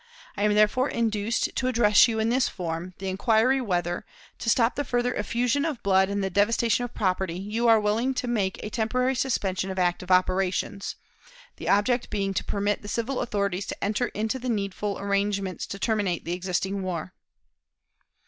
I am therefore induced to address you, in this form, the inquiry whether, to stop the further effusion of blood and the devastation of property, you are willing to make a temporary suspension of active operations; ... the object being to permit the civil authorities to enter into the needful arrangements to terminate the existing war."